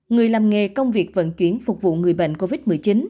người làm nghề công việc vận chuyển phục vụ người bệnh covid một mươi chín